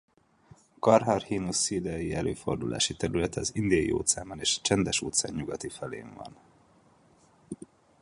A Carcharhinus sealei előfordulási területe az Indiai-óceánban és a Csendes-óceán nyugati felén van.